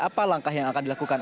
apa langkah yang akan dilakukan